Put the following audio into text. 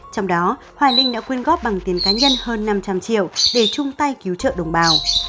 trong đó hoài linh đã quyên góp bằng tiền cá nhân hơn năm trăm linh triệu để chung tay cứu trợ đồng bào